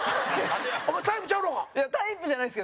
お前、タイプちゃうのか。